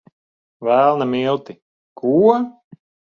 Velna milti! Ko?